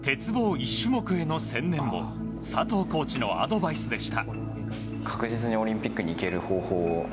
１種目への専念も佐藤コーチのアドバイスでした。